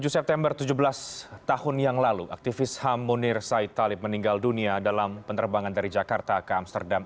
tujuh september tujuh belas tahun yang lalu aktivis ham munir said talib meninggal dunia dalam penerbangan dari jakarta ke amsterdam